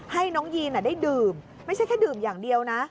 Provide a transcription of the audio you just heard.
ให้น้องยีนได้ดื่มไม่ใช่แค่ดื่มอย่างเดียวนะ